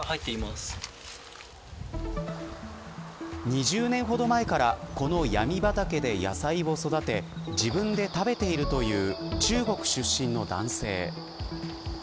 ２０年ほど前からこの闇畑で野菜を育て自分で食べているという中国出身の男性。